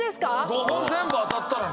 ５本全部当たったらね。